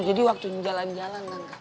jadi waktu jalan jalan tante